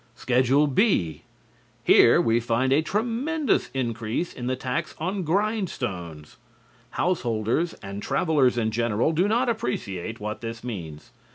Schedule B Here we find a tremendous increase in the tax on grindstones. Householders and travelers in general do not appreciate what this means.